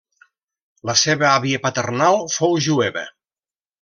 La seva àvia paternal fou jueva.